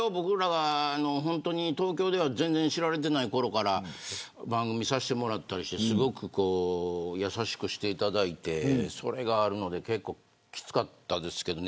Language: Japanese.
東京で全然知られていないころから番組させてもらったりして優しくしていただいてそれがあるので結構、きつかったですね。